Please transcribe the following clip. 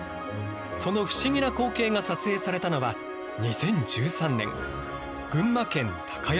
その不思議な光景が撮影されたのは２０１３年。